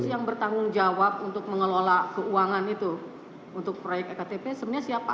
yang bertanggung jawab untuk mengelola keuangan itu untuk proyek ektp sebenarnya siapa